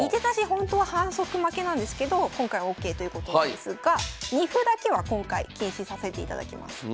ほんとは反則負けなんですけど今回はＯＫということですが二歩だけは今回禁止させていただきます。